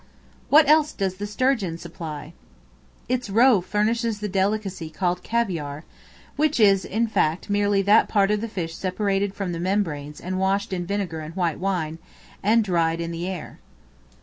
What else does the Sturgeon supply? Its roe furnishes the delicacy called Caviare, which is in fact merely that part of the fish separated from the membranes and washed in vinegar and white wine, and dried in the air.